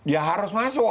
ya harus masuk